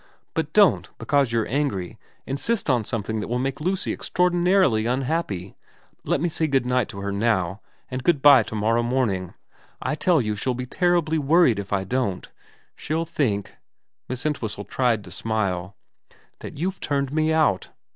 But don't, because you're angry, insist on something that will make Lucy extraordinarily unhappy. Let me say good night to her now, and VERA 353 good bye to morrow morning. I tell you she'll be terribly worried if I don't. She'll think ' Miss Ent whistle tried to smile ' that you've turned me out.